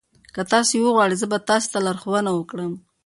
که تاسي وغواړئ زه به تاسي ته لارښوونه وکړم.